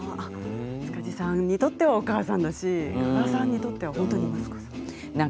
塚地さんにとってはお母さんのだし加賀さんにとっては本当の息子さん。